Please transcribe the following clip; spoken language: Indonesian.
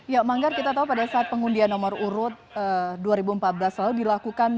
ya manggar kita tahu pada saat pengundian nomor urut dua ribu empat belas lalu dilakukan